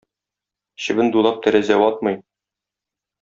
Чебен дулап тәрәзә ватмый.